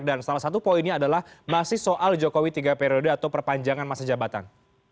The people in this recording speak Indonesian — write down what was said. dan salah satu poinnya adalah masih soal jokowi tiga periode atau perpanjangan masa jabatan